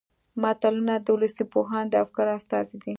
متلونه د ولسي پوهانو د افکارو استازي دي